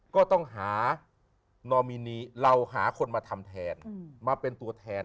ก็ต้องหานอมินีเราหาคนมาทำแทนมาเป็นตัวแทน